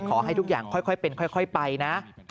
ขอให้ทุกอย่างค่อยเป็นค่อยไปนะ